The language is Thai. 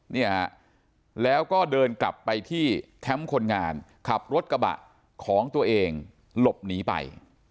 เนี่ยฮะแล้วก็เดินกลับไปที่แคมป์คนงานขับรถกระบะของตัวเองหลบหนีไป